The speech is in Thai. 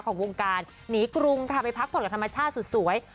ของวงการหนีกรุงค่ะไปพักผ่อนกับธรรมชาติสุดสวย